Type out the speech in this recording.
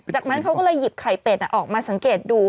จากนั้นเขาก็เลยหยิบไข่เป็ดออกมาสังเกตดู